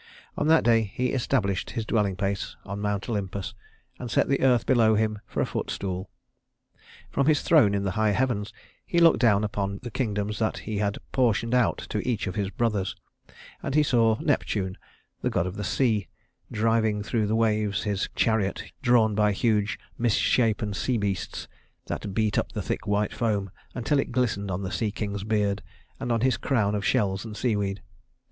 On that day he established his dwelling place on Mount Olympus, and set the earth below him for a footstool. From his throne in the high heavens he looked down upon the kingdoms that he had portioned out to each of his brothers; and he saw Neptune, the god of the sea, driving through the waves his chariot drawn by huge, misshapen sea beasts that beat up the thick white foam until it glistened on the sea king's beard and on his crown of shells and seaweed.